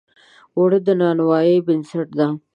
اوړه د نانوایۍ بنسټ دی